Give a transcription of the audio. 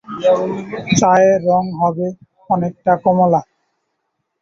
চায়ের রং হবে অনেকটা কমলা।